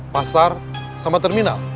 pasar sama terminal